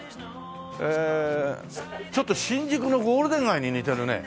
ちょっと新宿のゴールデン街に似てるね。